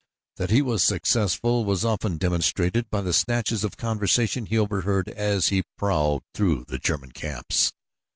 That he was successful was often demonstrated by the snatches of conversation he overheard as he prowled through the German camps.